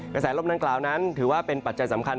กระแสลมดังกล่าวนั้นถือว่าเป็นปัจจัยสำคัญ